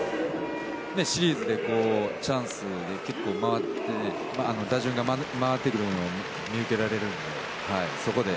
シリーズでチャンスで結構、打順が回ってくるのを見受けられるので。